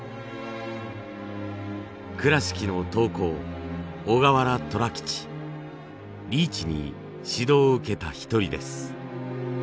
倉敷の陶工リーチに指導を受けた一人です。